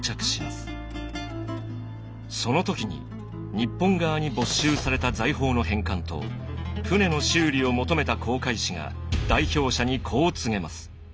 その時に日本側に没収された財宝の返還と船の修理を求めた航海士が代表者にこう告げます。